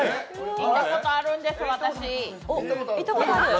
行ったことあるんです、私。